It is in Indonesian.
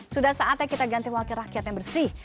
sudah saatnya kita ganti wakil rakyat yang bersih